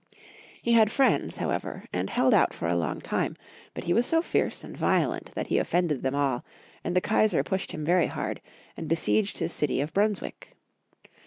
He had friends, however, and held out for a long time, but he was so fierce and violent that he offended them all, and the Kaisar pushed him very hard, and be sieged his city of Brunswick.